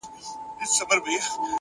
فکر پاک وي نو ژوند روښانه وي,